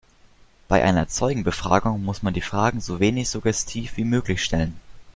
Bei einer Zeugenbefragung muss man die Fragen so wenig suggestiv wie möglich stellen.